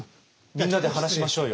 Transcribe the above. みんなで話しましょうよ。